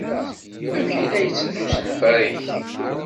Amek ay la yetteddu usenfar-nnek?